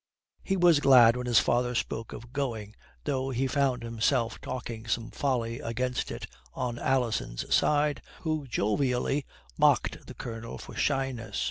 He was glad when his father spoke of going, though he found himself talking some folly against it, on Alison's side, who jovially mocked the Colonel for shyness.